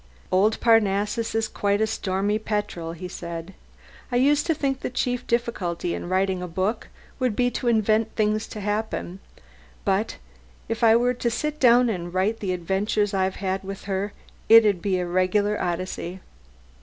"Old Parnassus is quite a stormy petrel," he said. "I used to think the chief difficulty in writing a book would be to invent things to happen, but if I were to sit down and write the adventures I'd had with her it would be a regular Odyssey."